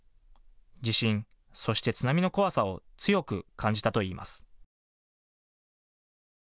地震、そして津波の怖さを強く感じたといいます。